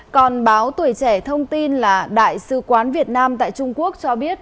còn báo tuổi trẻ thông tin là đại sứ quán việt nam tại trung quốc cho biết